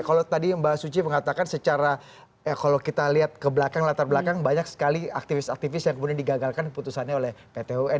kalau tadi mbak suci mengatakan secara kalau kita lihat ke belakang latar belakang banyak sekali aktivis aktivis yang kemudian digagalkan putusannya oleh pt un